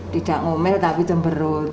tidak ngomel tapi cemberut